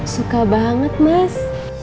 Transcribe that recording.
suka banget mas